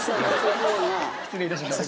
失礼いたしました。